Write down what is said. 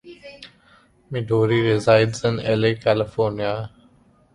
Midori resides in Los Angeles, California.